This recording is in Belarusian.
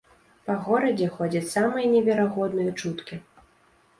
Па горадзе ходзяць самыя неверагодныя чуткі.